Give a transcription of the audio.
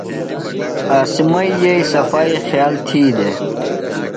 عاصمئی یئییۡ صفائی خِیال تھی دےۡ۔